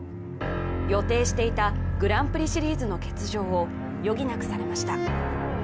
予定していたグランプリシリーズの欠場を余儀なくされました。